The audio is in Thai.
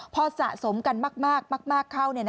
พอสะสมกันมากเข้า